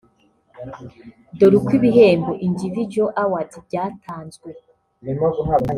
Dore uko ibihembo (Individual Awards) byatanzwe